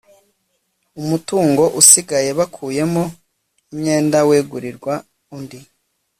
umutngo usigaye bakuyemo imyenda wegurirwa undi